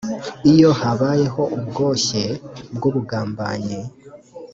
iyo habayeho ubwoshye bw ubugambanyi